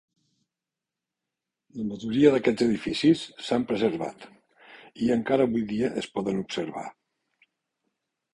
La majoria d'aquests edificis s'han preservat i encara avui dia es poden observar.